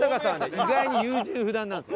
意外に優柔不断なんですよ。